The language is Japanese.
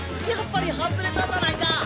やっぱり外れたじゃないか！